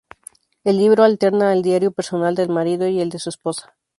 El libro alterna el diario personal del marido y el de su esposa.